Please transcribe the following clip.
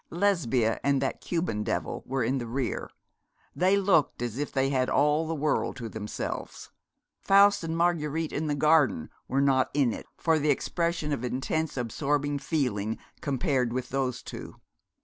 Lesbia and that Cuban devil were in the rear. They looked as if they had all the world to themselves. Faust and Marguerite in the garden were not in it for the expression of intense absorbing feeling compared with those two.